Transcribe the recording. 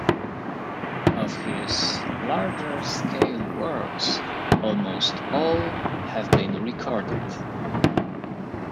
Of his larger-scale works almost all have been recorded.